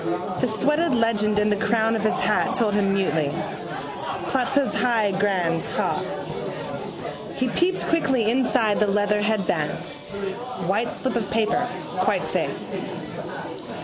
The sweated legend in the crown of his hat told him mutely: Plasto's high grade ha. He peeped quickly inside the leather headband. White slip of paper. Quite safe.